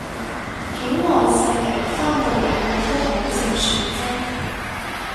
境外勢力翻到入去都好正常啫